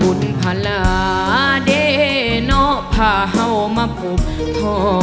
บุญพลาเดเนาะพาเฮ้ามาปุ๊บท้อ